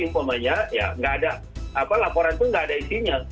maksudnya ya laporan itu tidak ada isinya